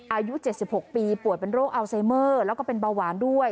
อายุ๗๖ปีป่วยเป็นโรคอัลไซเมอร์แล้วก็เป็นเบาหวานด้วย